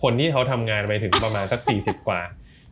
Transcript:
คนที่ทำงานไปถึงประมาณ๔๐กว่า